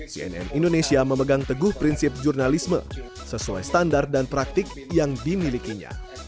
cnn indonesia memegang teguh prinsip jurnalisme sesuai standar dan praktik yang dimilikinya